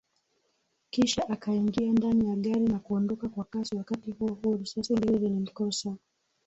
Kisha akaingia ndani ya gari na kuondoka kwa kasi wakati huohuo risasi mbili zilimkosa